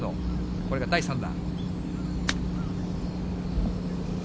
これが第３打。